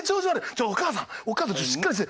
ちょっとお母さんしっかりして。